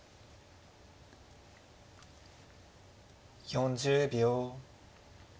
４０秒。